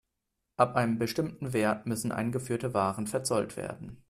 Ab einem bestimmten Wert müssen eingeführte Waren verzollt werden.